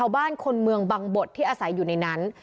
บ้านคนเมืองบังบดที่อาศัยอยู่ในนั้น